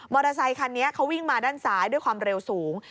อเตอร์ไซคันนี้เขาวิ่งมาด้านซ้ายด้วยความเร็วสูง